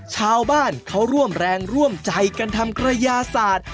ชาวบ้านเขาร่วมแรงร่วมใจกันทำกระยาศาสตร์